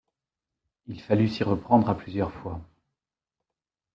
Il fallut s’y reprendre à plusieurs fois.